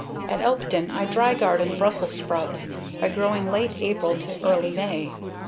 At Elkton I dry garden Brussels sprouts by sowing late April to early May.